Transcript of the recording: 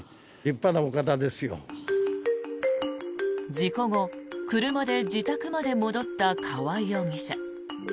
事故後車で自宅まで戻った川合容疑者。